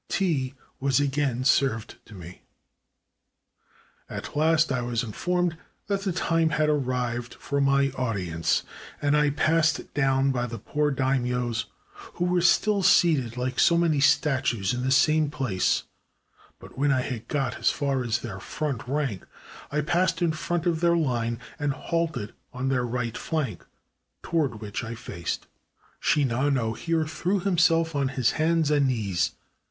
Tea was again served to me. At last I was informed that the time had arrived for my audience, and I passed down by the poor daimios, who were still seated Uke so many statues in the same place; but when I had got as far as their front rank, I passed in front of their line and halted on their right flank, toward which I faced. Shinano here threw him self on his hands and knees.